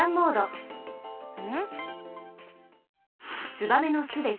ツバメの巣です。